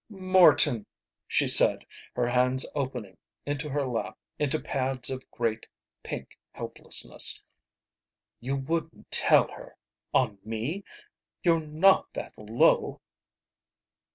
"Morton," she said, her hands opening into her lap into pads of great pink helplessness, "you wouldn't tell her on me! You're not that low!"